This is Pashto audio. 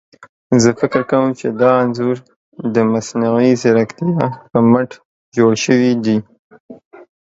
زه فکر کوم چي دا انځور ده مصنوعي ځيرکتيا په مټ جوړ شوي دي.